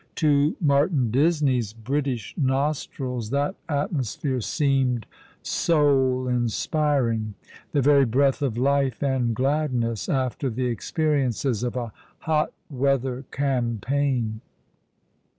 To Martin Disney's British nostrils that atmosphere seemed soul inspiring, the 94 All along the Rivei\ very breath of life and gladness, after the experiences of a hot leather campaign.